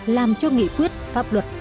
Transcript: làm cho nghị quyết pháp luật